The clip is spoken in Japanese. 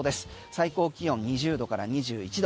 最高気温２０度から２１度。